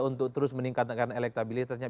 untuk terus meningkatkan elektabilitasnya